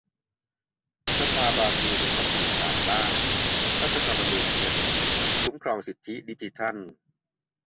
สภาบราซิลมีมติผ่านร่าง "รัฐธรรมนูญอินเทอร์เน็ต" คุ้มครองสิทธิดิจิทัล